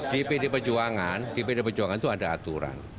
di pdi perjuangan di pdi perjuangan itu ada aturan